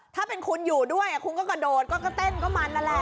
ถ้าเป็นคุณอยู่ด้วยคุณก็กระโดดก็เต้นก็มันนั่นแหละ